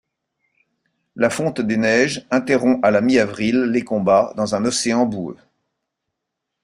La fonte des neiges interrompt à la mi-avril les combats dans un océan boueux.